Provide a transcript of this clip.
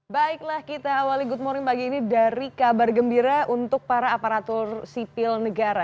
baiklah kita awali good morning pagi ini dari kabar gembira untuk para aparatur sipil negara